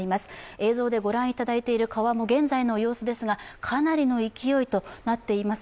映像でご覧いただいている川の現在の様子ですが、かなりの勢いとなっています。